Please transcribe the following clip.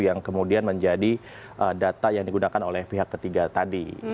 yang kemudian menjadi data yang digunakan oleh pihak ketiga tadi